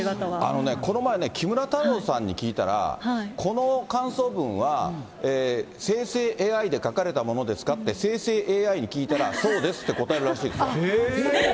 あのね、この前、木村太郎さんに聞いたら、この感想文は生成ＡＩで書かれたものですかって生成ＡＩに聞いたら、そうですって答えるらしいですよ。